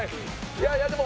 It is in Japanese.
いやいやでも。